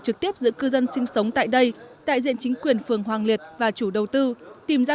trực tiếp giữa cư dân sinh sống tại đây đại diện chính quyền phường hoàng liệt và chủ đầu tư tìm ra